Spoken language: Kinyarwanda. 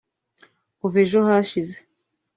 Kuva ejo hashize